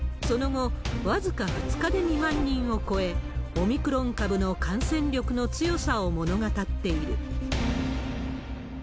その後、僅か２日で２万人を超え、オミクロン株の感染力の強さを物語っている。